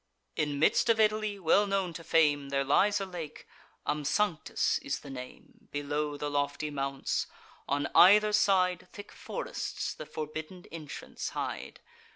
In midst of Italy, well known to fame, There lies a lake, Amsanctus is the name, Below the lofty mounts: on either side Thick forests the forbidden entrance hide.